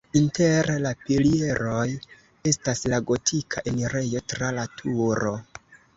Inter la pilieroj estas la gotika enirejo tra la turo.